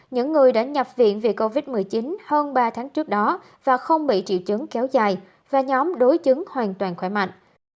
những người đã nhập viện vì covid một mươi chín hơn ba tháng trước đó và không bị triệu chứng kéo dài và nhóm đối chứng hoàn toàn khỏe mạnh